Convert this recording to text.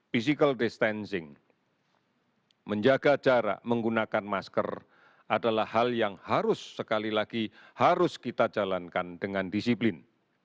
physical distancing menjaga jarak menggunakan masker adalah hal yang harus sekali lagi harus kita jalankan dengan disiplin